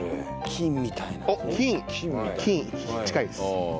菌近いです。